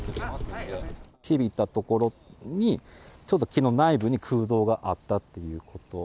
ひびいったところに、ちょうど木の内部に空洞があったということ。